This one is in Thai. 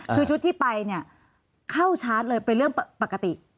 คือชุดที่ไปเนี่ยเข้าชาร์จเลยเป็นเรื่องปกติ